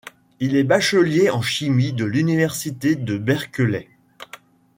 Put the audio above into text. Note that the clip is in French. Il est bachelier en chimie de l'université de Berkeley.